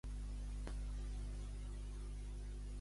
'Motxilla' en valencià es lletreja: eme, o, te, ics, i, ele, ele, a.